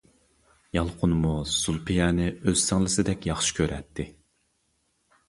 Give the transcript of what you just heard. يالقۇنمۇ زۇلپىيەنى ئۆز سىڭلىسىدەك ياخشى كۈرەتتى.